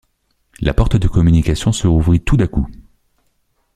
La porte de communication se rouvrit tout à coup.